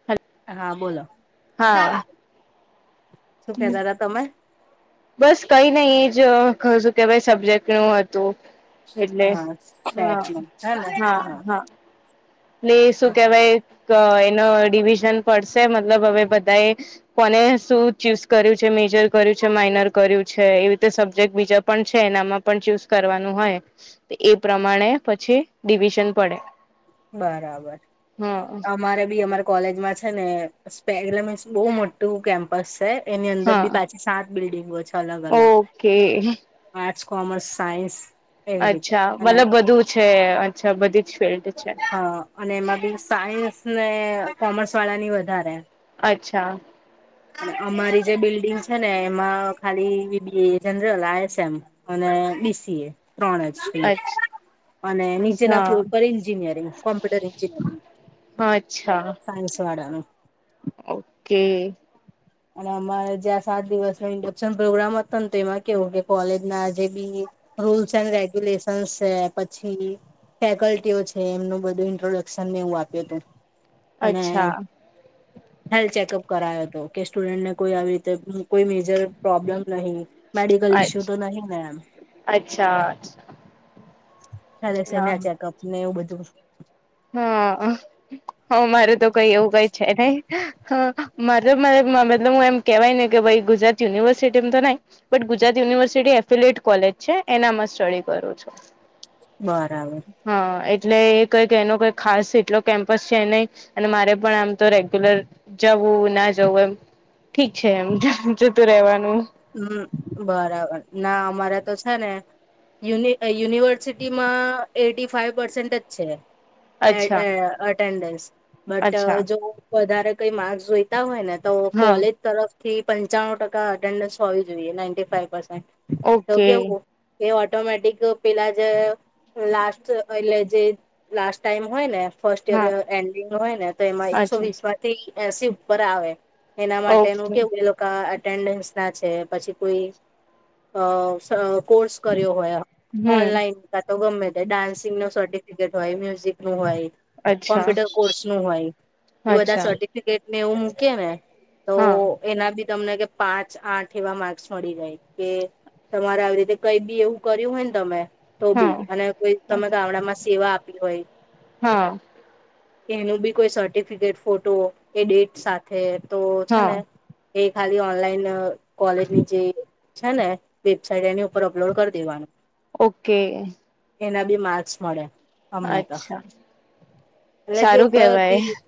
Hello, હા બોલો શું કેતા તા તમે, બસ કઈ નહી જો કશુંક કઈ સબ્જેક્ટ નુ હતું એટલે હા હા સેટનું હે ને હા હા લે શું કેવાય તો એનો ડિવિઝન પડશે મતલબ હવે બધાએ કોણે શું ચૂઝ કર્યું છે મેજર કર્યું છે માયનોર કર્યું છે એવી રીતે સબ્જેક્ટ બીજા, પણ છે, એનામાં પણ ચૂઝ કરવાનું હોય, એ પ્રમાણે પછી ડિવિઝન પડે. બરાબર હા અમારે, અમારે કોલેજમાં છે ને સસ્પેમ્લેમ્સ બહુ મોટું કેમ્પસ છે., એની અંદર હા બી પછી સાત બિલ્ડિંગો છે અલગ અલગ ઓકે આર્ટ્સ કોમર્સ સાયન્સ, એવી રીતે અચ્છા અને મતલબ બધું છે. અચ્છા, બધીજ ફિલ્ડ છે., હા અને એમાં બી સાયન્સ ને કોમર્સ વાળા ની વધારે, અચ્છા, અમારી જે બિલ્ડિંગ છે ને એમાં ખાલી બે જણ રેવા આવ્યા છે એમ, અને બી સી એ ત્રણ એમ, અચ્છા અને નીચેના ફ્લોર પર ઇન્જિનિયરિંગ કોપ્યુટર ઇન્જિનિયરિંગ, હા અચ્છા, સાયનસ વાડાનો ઓકે અને અમારે જ્યાં સાત દિવસ નો ઇન્ડક્શન પ્રોગ્રામ હતો ને તો એમાં કેવું કે કોલેજ ના જે ભી રૂલ્સ એન્ડ રેગ્યુલેશન્સ છે પછી, ફેકલ્ટીઓ છે, એમનું બધું ઇન્ટ્રોડક્શન ને એવું આપ્યું તું. અને હેલ ચેકઅપ કરાયો હતો. કે સ્ટુડન્ટને કોઈ આવી રીતે કોઈ મેજર પ્રોબ્લેમ નહી, મેડિકલ ઇશ્યુ તો નહિ ને એમ, હાલે હા સેમ્યા અચ્છા ઓકે ચેકઅપને એવું બધું. હા હ મારું તો કઈ એવું કઈ છે નહી હ મારે મતલબ હું એમ. કેવાય ને કે ભાઈ ગુજરાત યુનિવર્સિટી મ તો નઈ. But Gujarat university affiliated college છે એનામાં સ્ટડી કરું છું. બરાબર હા એટલે એ કઈક કે એનો કોઈ ખાસ એટલો કેમ્પસ છે નહી અને મારે પણ આમ તો રેગ્યુલર જવું, ના જવું એમ ઠીક છે એમ જતું રહેવાનું. હમ બરાબર ના અમારે તો છે ને, યુનિ યુનિવર્સિટીમાં એટી ફાઈવ પર્સેન્ટ જ છે. એડ અચ્છા અટેન્ડન્સ અચ્છા બટ જો વધારે કઈ માર્કસ જોઈ હોય ને તો હા કોલેજ તરફ થી પંચાણું ટકા એટેન્ડન્સ હોવી જોઈએ નાઇટી ફાઇવ પરસેન્ટ. તો ઓકે કેવું કે ઓટોમેટિક પેલા જે. લાસ્ટ એટલે જે લાસ્ટ ટાઈમ હોય ને, ફર્સ્ટ યર હા એન્ડિંગ હોય ને તો એમાં એકસો અચ્છા વીસ માંથી એસી ઉપર આવે, એના માટેનું ઓકે કેવું એ લોકા એટેન્ડસ. છે, પછી કોઈ કોર્સ કર્યો હોય હમ ઓનલાઈન. કા તો ગમે તે ડાન્સિંગનો સર્ટિફિકેટ હોય. મ્યુઝિકનું હોય, અચ્છા કોમ્પ્યુટર કોર્સનું હોય એ બધા અચ્છા સર્ટિફિકેટને એવું મૂકેને, હ. એના બી તમને કે પાંચ. આઠ એવા માર્ક્સ મળી ગાય કે તમારે આવી રીતે કંઈ ભી એવું કર્યું હોય ને તમે. તો હા બી અને કોઈ તમે ગામડામાં સેવા આપી હોય, હા કે એનું ભી કોઈ સર્ટિફિકેટ ફોટો એ ડેટ સાથે તો છે, હા ને એ ખાલી ઓનલાઈન કોલેજની જે, છે, ને વેબસાઇટ એની ઉપર અપલોડ કર દેવાન ઓકે. એનાભી માર્ક્સ મળે. હમને તો એટલે કેવું બધી રીત.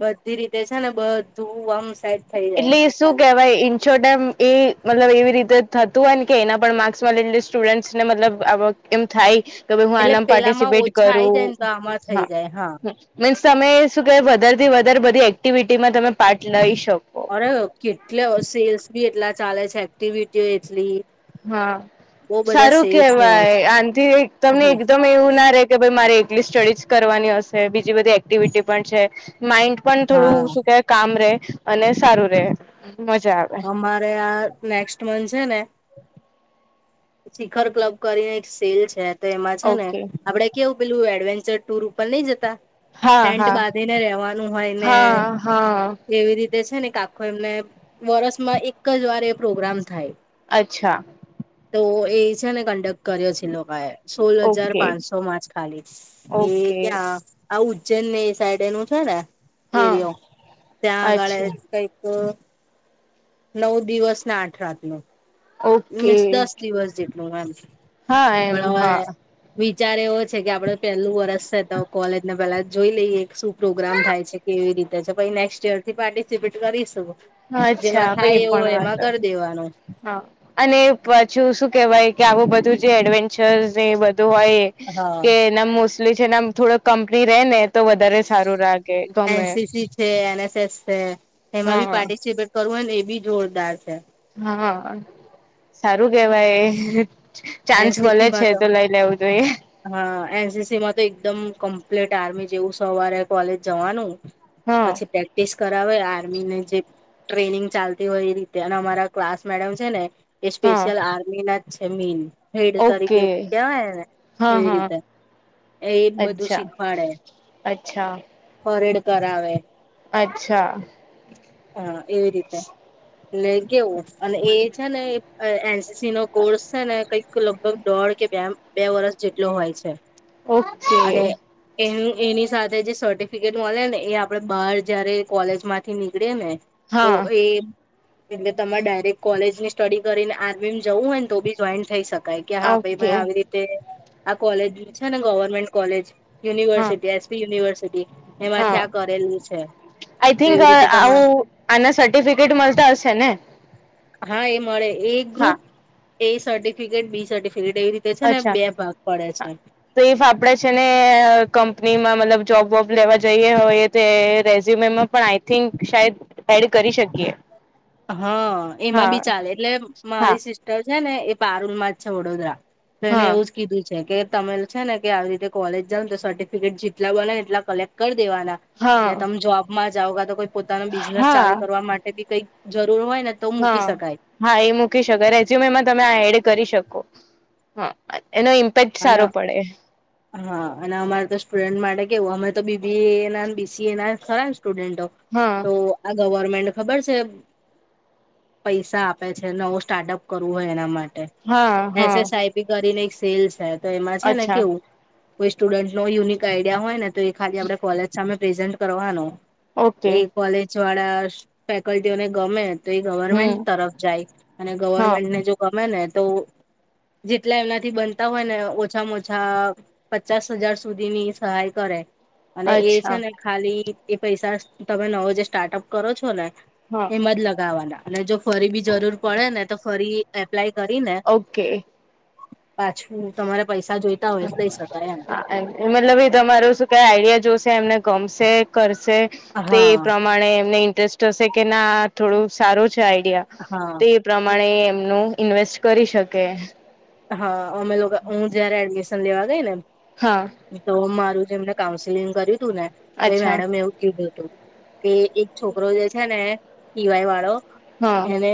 બધી રીતે છે, ને બધું આમ સાબ એટલે શું કેવાય ઈ છોટા એ મતલબ એવી રીતે થતું હોય કે એના પણ માર્ક્સમાં લઈ સ્ટુડન્ટસ ને મતલબ આ એમ થાય તો ભી હું એટલે આનામ પેલામાં પાર્ટિસિપેટ ઓછા આઈ જાય ને તો કરું આમાં થઈ હા. જાય મીન્સ તમે શું કે, વધારેથી વધારે બધી એક્ટિવિટીમાં તમે પાર્ટ લઈ શકો. અરે કેટલે સેલ્સ બી એટલા ચાલે છે, એક્ટિવિટીઓ એટલી. હા, બહુ બધા સારું સેલ્સ ને એવો કેહેવાય, છે આથી તમને એકદમ એવું ના રે કે, ભ મારે એ એટલી સ્ટડીજ કરવાની હશે, બીજી બધી એક્ટિવિટી પણ છે, માઇન્ડ પણ હા થોડું શું કે કામ રે અને સારું રે મજા આવે. મારે આ નેક્સ્ટ મંથ છે ને હ. શિખર ક્લબ કરીને એક સેલ છે તો એમાં છે ને ઓકે આપડે કેવું પેલું એડવેન્ચર ટુર ઉપર નઈ જતા. હા ટેન્ટ હા બાંધીને રેવાનું હોય ને હા હા એવી રીતે છે ને કે આખો એમને વર્ષમાં એક જ વાર એ પ્રોગ્રામ થાય. અચ્છા. તો એ છે ને કંડક્ટ કર્યો છે લોકાએ સોલ હજાર ઓકે પાંચસો માં જ ખાલી એ ઓકે ક્યાં આ ઉજ્જૈન ની એ સાઈડ નુ છે ને હા એરિયો ત્યાં આગળ અચ્છા કઈ ઘ નવ દિવસ ને આઠ રાતનુ. ઓકે મિસ દસ દિવસ જેટલું વાંધો હા પણ એમ હવે હા વિચાર એવો છે કે આપડ પેલું વરસ છે તો કોલેજને પેલા જોઈ લઈએ, શું પ્રોગ્રામ થાય છે, કેવી રીતે છે, પછી નેક્સ્ટ યર થી પાર્ટિસિપેટ કરીશું. અચ્છા જેમાં થાય એ એવું પણ હોય એમાં વાત કર દેવાનું. હા, અને પાછું શું કેહેવાય કે આવું બધું જે એડવેન્ચર્સ ને એ બધું હોય એ હા કે એના મોસ્ટલી છે એ થોડોક કંપની રે ને તો વધારે સારું લાગે ગમે. એનસીસી છે. એન. એસ. એસ છે, એમાં બી હા પાર્ટિસિપેટ કરવું હોય ને, એ બી જોરદાર છે. હા, સારું કેવાય. ચાન્સ મળે છે, તો લઈ લેવું જોઈએ. હા, એન. સી. સીમાં તો એકદમ કમ્પ્લીટ આર્મી જેવું સવારે કોલેજ જવાનું. હા પછી પેક. પ્રેક્ટિસ કરાવે આર્મી ને જે ટ્રેનિંગ ચાલતી હોય એ રીતે અને અમારા ક્લાસ મેડમ છે ને એ હા સ્પેશલ આર્મીન છે મૈન. હેડ તરીકે ઓકે કેવાયને એને હા એવી હા રીતે. એ બધું અચ્છા શીખવાડે, અચ્છા પરેડ કરાવે. અચ્છા. હા, એવી રીતે. ને કેવું અને એ છે ને, એન. સી. સી નો કોર્સ છે ને, કંઈક લગભગ દોઢ કે, બે-બે વર્ષ જેટલો હોય છે, ઓકે અને એ એની સાથે જે સર્ટિફિકેટ મળે ને, એ આપડે બહાર જયારે કોલેજ માંથી નીકળીએ ને તો હા એ એટલે તમારે ડાયરેક્ટ કોલેજ ની સ્ટડી કરીને, આર્મી જવું હોય ને, તો બી જોઈને થઈ શક શકાય કે હા ભાઈ ઓકે આવી રીતે આ કોલેજ છે ને, ગવર્મેન્ટ કોલેજ હા યુનિવર્સિટી એસપી યુનિવર્સિટી એમાંથી હા આ કરેલું છે. આઈ તો થિંક એવી અ રીતે તમા આવું આના સર્ટિફિકેટ મળતા હશે ને. હા એ મળે એ હા group, A certificate B certificate એવી રીતે તે છે ને અચ્છા બે ભાગ પડે હા છે. તો ઈફ આપડે છે ને, કંપનીમાં મતલબ જોબ વોબ લેવા જઈએ હોય તે, રેઝયુમે પણ આઈ થિંક શાયદ એડ કરી શકીએ. હા, એમાં હા બી ચાલે એટલે હા મારી સિસ્ટર છે ને એ પારૂલ માં જ છે વડોદરા. તો એને હા એવું જ કીધું છે કે, તમે છે ને કે, આવી રીતે કોલેજ જાાવને તો, સર્ટિફિકેટ જેટલા બને એટલા કલેક્ટ કરી દેવાના. હા એલે તમે જોબમાં જઓા તો કોઈ પોતાનો બિઝનેસ ચાલુ હા કરવા માટે બી કઈક જરૂર હોય. તો મૂકી હા. શકાય હા, એ મૂકી શકે, રેઝ્યુમમાં તમે આ એડ કરી શકો હ એનો. પેટ અને સારો પડે. હા, અને અમારે તો સ્ટુડન્ટ માટે કેવું, અમે તો બીબી એ ના, બીસી એ ના ખરા સ્ટુડન્ટો. હા તો આ ગવર્મેન્ટ ખબર છે. પૈસા આપે છે, નવો સ્ટાર્ટઅપ કરવું હોય, એના માટે. હા એસ. હા એસ, આઈપી કરીને એક સેલસ છે, તો એમાં છે ને અચ્છા કેવું કોઈ સ્ટુડન્ટ નો યુનિક આઈડિયા હોય ને, તો એ ખાલી આપડણે કોલેજ સામે પ્રેઝન્ટ કરવાનો. ઓકે એ કોલેજ વાળા ફેકલ્ટીઓને ગમે. તો એ હમ ગવર્મેન્ટ તરફ જાય, અને હા ગવર્મેન્ટને જો ગમે ને તો જેટલા એમનાથી બન [unintelligible] હોય ને, ઓછામાં-ઓછા પચાસ હજાર સુધી ની સહાય કરે. અને એ છે અચ્છા ને, ખાલી એ પૈસા તમે નવો જે સ્ટાર્ટઅપ કરો છો ને. હા. એમ જ લગાવવાના, અને જો ફરી બી જરૂર પડે ને, તો ફરી એપ્લાય કરીને. ઓકે. પાછું તમારે પૈસા જોઈતા હોય, લઈ શકાય એમ. હા મતલબ એ તમારો શું કઈ આઈડિયા જોશે, એમને ગમશે કરશે તો પ્રમાણે. હા પ્રમાણે એમને ઇન્ટરેસ્ટ હશે કે, ના થોડું સારું છે આઈડિયા. હા તે એ પ્રમાણે એમનું ઇન્વેસ્ટ કરી શકે. અમે લોકો હું જયારે લેવા ગઈ ને એમ. હા. તો મારું જેમને કાઉન્સેલિંગ કર્યું હતું ને, તો એ અચ્છા મેડમ એવું કીધું હતું. કે એક છોકરો જે છે ને, ટીવાય વાળો હા એને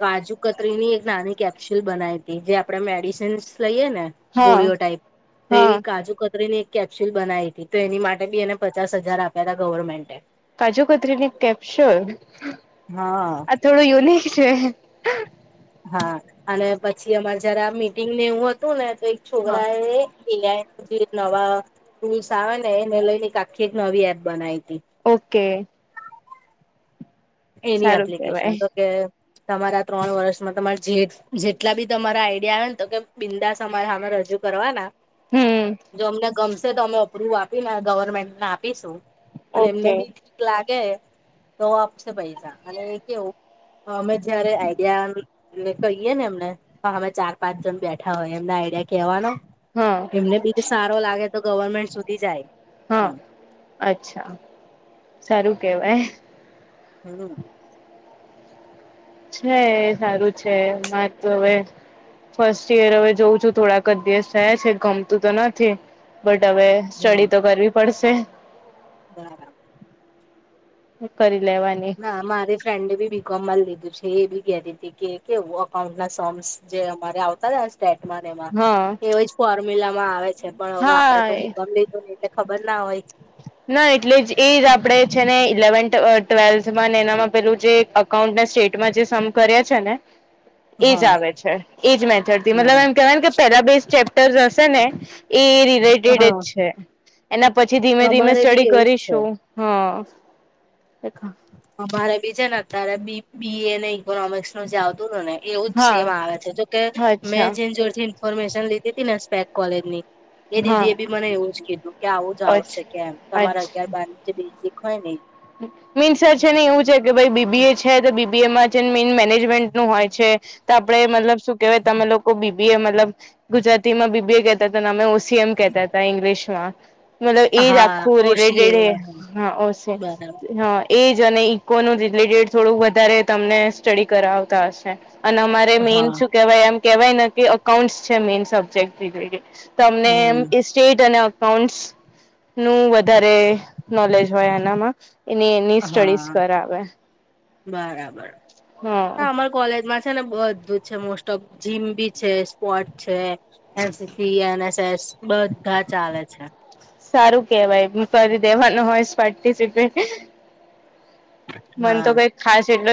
કાજુ કતરી ની એક નાની કેપ્સ્યુલ બનાવી હતી, જે આપડણે મેડિસિન્સ લઈએ ને હા ગોળીઓ ટાઈપ હા એવી કાજુ. ની એક કેપસ્યુલ બનાવી હતી તો, એની માટે બી એને પચાસ હજાર આપ્યા હતા ગવર્મેન્ટે. કાજુ કતરી ની કેપ્સોલ. હા. થોડું યુનિક છે. હા, અને પછી અમારે જયારે આ મીટિંગને એવું હતું ને, તો એક હા છોકરા એ એઆઈ ન જે નવા ટૂલ્સ આવે ને, એને લઈને આખી એક નવી એપ બનાવી હતી. ઓકે. એની સારું કેવાય એપ્લિકેશન તો કે તમારા ત્રણ વર્ષમાં તમારે જે જેટલા બી તમારા આઈડિયા આવે ને, તો કે બિંદાાસ અમારે સામે રજૂ. કરવાના. હમ જો અમને ગમશે તો, અમે અપ્રુવ આપીને, ગવર્મેન્ટને આપીશું. અને એમને ઓકે બી ઠીક લાગે તો આપશે પૈસા. અને એ કેવું અમે જયારે આઈડિયા એલે કહીયએ ને એમને. હ, ચાર-પાંચ જણ બેઠા હોય, એમના આઈડિયા કેહેવાનો હા બી. સારો લાગે તો, ગવર્મેન્ટ સુધી જાય. હા, એમ અચ્છા સારું કહેવાય. હમ. છે એ સારું છે. હા તો હવે. ફર્સ્ટ ઈયર હવે જોઉં છું થોડાક જ દિવસ થયા છે, ગમતું તો નથી. બટ હવે હમ સ્ટડી તો કરવી પડશે. [inaudible] કરી લેવાની. હા. મારી ફ્રેન્ડે બી બી કોમ મા લીધું છે. એ બી કહેતી તી, કે કેવું અકાઉન્ટ ના શમ્સ જે અમારે આવતા [unintelligible] ટેટમા ને એમાં. હા એવી જ ફોર્મ્યુલામાં આવે છે, પણ હવે આપણે તો બી કોમ હા લી ધું ને એટલે ખબર ના હોય ના એટલે જ, એ જ. આપણે છે ને ઇલેવન ટ ટ્વેલ્થમાં ને એનામાં પહેલું જે અક કાઉન્ટ ને સ્ટેટમાં જે સમ કર્યા છે ને [inaudible] એજ આવે છે. એજ મેથડ થી. મતલબ બરા એમ કહેવાય ને કે પેરાબેઝ ચેપ્ટર્ઝ હશે ને એ હા રીત [unintelligible] છે. એના પછી ધીમે-ધીમે અમારે બી સ્ટડી એવું જ છે કરીશું. હા. અમારે બી છે ને અત્યારે બી બી એ ને ઈકોનોમિક્સ નું જે આવતું તું ને એવું જ સેમ હા આવે છે. જોકે મેં અચ્છા જેન જોડથી ઇન્ફોર્મેશન લીધી તી ના સ્પેક કોલેજની એ હા દીદી એ બી મને એવું જ કીધું, કે આવું જ આવશે અચ્છા કે એમ. તમારા અગિયાર બાર નું જે બેજીક હોય ને ઈ. મીન્સર છે ને એ જ હોય કે ભઈ બી બી એ છે તો બી બી એ માં [unintelligible] મેન મેનેજમેન્ટ નું હોય છે. તો આપણે મતલબ શું કહેવાય તમે લોકો બી બી એ મતલબ ગુજરાતી માં બી બી એ કહેતા તા, ને અમે ઓસ સી એમ કહેતા તા ઈંગ્લીશમાં. મતલબ ઈજ હા આખું ઓછી રિલેટેડ હે. હા ઓ સી બરાબર હા એજ. અને ઈકોનું જ રિલેટેડ થોડુંક વધારે તમને સ્ટડી કરાવતા હશે. અને અમારે મેઈન હા શું કહેવાય એમ કહેવાય ને કે અકાઉન્ટ્સ છે મેઈન સબ્જેક્ટ [unintelligible] તમને એમ હમ [unintelligible] સ્ટેટ અને અકાઉન્ટ્સ નું વધારે નોલેજ હોય એનામાં. એની-એની સ્ટડીઝ હા કરાવે. બરાબર. ના હા અમાર કોલેજમાં છે ને બધ ધું છે મોસ્ટ ઓફ. જીમ બી છે, સ્પોર્ટ છે, S C, N S S બધા ચાલે છે. સારું કહેવાય. હુ ફરી દેવાનું હોય સ પાર્ટિસિપેટ મન હા તો કાંઈક ખાસ એટલો